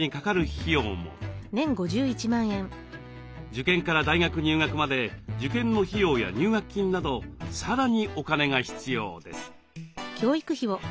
受験から大学入学まで受験の費用や入学金などさらにお金が必要です。